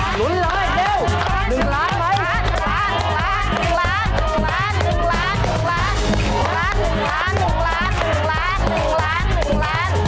หมุนเลยเร็ว๑ล้านไหม